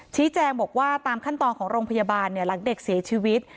ชี้แจงบอกว่าตามขั้นตอนของโรงพยาบาลหลังเด็กเสียชีวิต